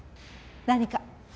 何か？